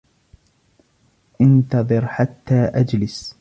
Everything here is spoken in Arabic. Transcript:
انتظر حتى أجلس.